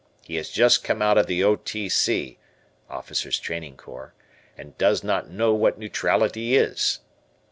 He has just come out of the O. T. C. (Officers' Training Corps) and does not know what neutrality is."